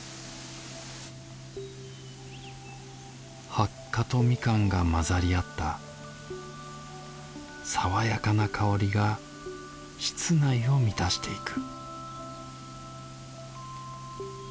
はっかとみかんが混ざり合った爽やかな香りが室内を満たしていく